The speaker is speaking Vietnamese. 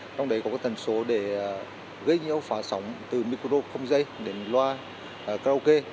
trong đấy có các dần số để gây nhiễu phá sóng từ micro giây đến loa karaoke